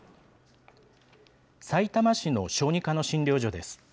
さいたま市の小児科の診療所です。